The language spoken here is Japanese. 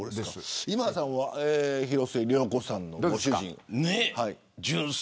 今田さんは広末涼子さんのご主人。